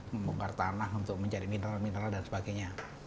membongkar tanah untuk mencari mineral mineral dan sebagainya